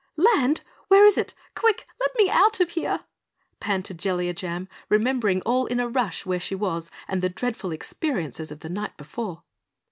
"Land? Where is it? Quick! Let me out of here!" panted Jellia Jam, remembering all in a rush where she was, and the dreadful experiences of the night before.